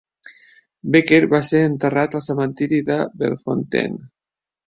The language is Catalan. Becker va ser enterrat al cementiri de Bellefontaine.